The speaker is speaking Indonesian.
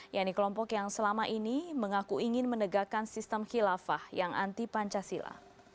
yaitu kelompok yang selama ini mengaku ingin menegakkan sistem khilafah yang anti pancasila